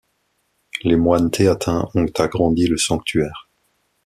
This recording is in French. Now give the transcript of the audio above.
Les moines théatins ont agrandi le sanctuaire.